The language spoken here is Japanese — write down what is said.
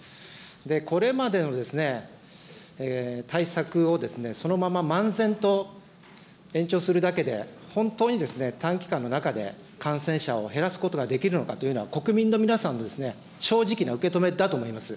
これまでの対策をそのまま漫然と延長するだけで、本当に短期間の中で感染者を減らすことができるのかというのが、国民の皆さんの正直な受け止めだと思います。